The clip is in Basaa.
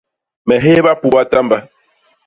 Me hééba puba tamba.